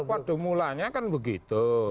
pada mulanya kan begitu